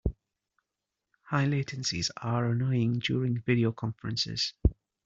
High latencies are annoying during video conferences.